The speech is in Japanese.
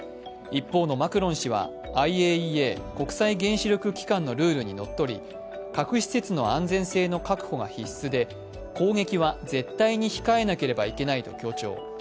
一方のマクロン氏はＩＡＥＡ＝国際原子力機関のルールにのっとり核施設の安全性の確保が必須で、攻撃は絶対に控えなければいけないと強調。